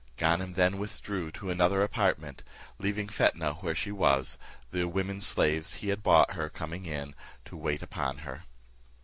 Ganem then withdrew to another apartment, leaving Fetnah where she was, the women slaves he had bought coming in to wait upon her.